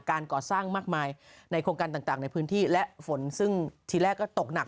การก่อสร้างมากมายในโครงการต่างในพื้นที่และฝนซึ่งทีแรกก็ตกหนัก